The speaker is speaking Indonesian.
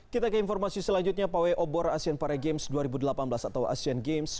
kita ke informasi selanjutnya pawai obor asian para games dua ribu delapan belas atau asean games